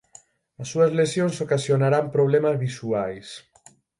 As súas lesións ocasionarán problemas visuais.